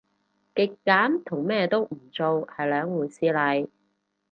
極簡同咩都唔做係兩回事嚟